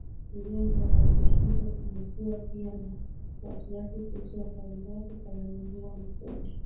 ujenzi wa daraja hilo Kumekuwa pia na wasiwasi kuhusu athari zake kwa mazingira Makundi